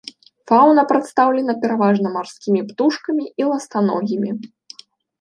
Фаўна прадстаўлена пераважна марскімі птушкамі і ластаногімі.